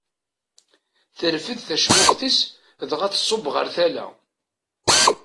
Terfed tacmuxt-is dɣa tṣubb ɣer tala.